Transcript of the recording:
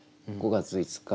８月５日！